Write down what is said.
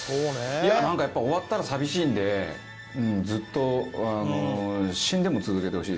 なんかやっぱり終わったら寂しいんでずっと死んでも続けてほしいですね